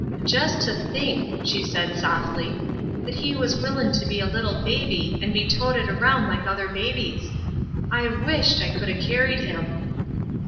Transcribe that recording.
"Jest to think," she said softly, "that He was wilHn' to be a Uttle baby and be toted around hke other babies. I wisKt I could 'oJ carried Him!"